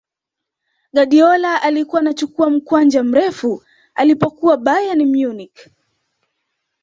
guardiola alikuwa anachukua mkwanja mrefu alipokuwa bayern munich